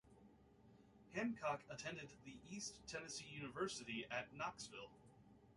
Hancock attended the East Tennessee University at Knoxville.